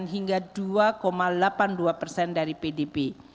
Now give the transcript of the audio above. dua empat puluh lima hingga dua delapan puluh dua dari pdb